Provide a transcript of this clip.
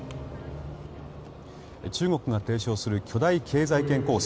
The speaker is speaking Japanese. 中国が提唱する巨大経済圏構想